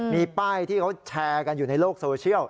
มีป้ายที่เขาแชร์กันอยู่ในโลกโซเชียล